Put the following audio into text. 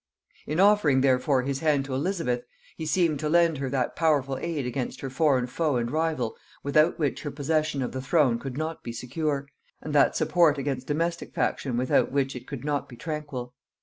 In offering therefore his hand to Elizabeth, he seemed to lend her that powerful aid against her foreign foe and rival without which her possession of the throne could not be secure, and that support against domestic faction without which it could not be tranquil.